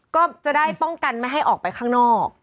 ก็จะได้ป้องกันไม่ให้ออกไปข้างนอก